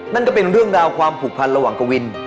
นั่นก็เป็นเรื่องราวความผูกพันระหว่างกวิน